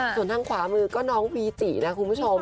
ส่วนทางขวามือก็น้องวีตินะคุณผู้ชม